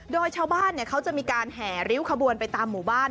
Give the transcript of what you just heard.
โดยชาวบ้านเขาจะมีการแห่ริ้วขบวนไปตามหมู่บ้าน